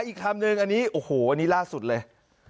อีกคำนึงอันนี้โอ้โหอันนี้ล่าสุดเลย